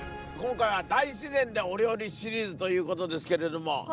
今回は「大自然でお料理シリーズ」ということですけれども。